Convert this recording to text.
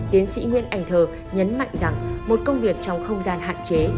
tiến sĩ nguyễn ảnh thờ nhấn mạnh rằng một công việc trong không gian hạn chế